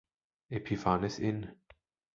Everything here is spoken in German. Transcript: Epiphanes in